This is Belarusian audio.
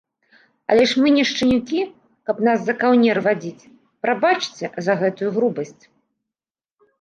Але мы ж не шчанюкі, каб нас за каўнер вадзіць, прабачце, за гэтую грубасць.